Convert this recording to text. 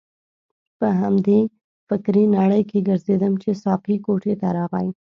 په همدې فکرې نړۍ کې ګرځیدم چې ساقي کوټې ته راغی.